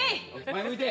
前向いて。